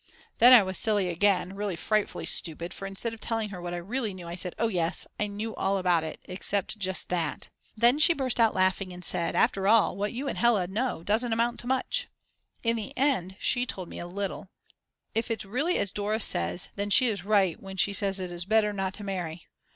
Then I was silly again, really frightfully stupid; for instead of telling her what I really knew I said: "Oh, yes, I knew all about it except just that." Then she burst out laughing and said: "After all, what you and Hella know doesn't amount to much." And in the end she told me a little. If it's really as Dora says, then she is right when she says it is better not to marry.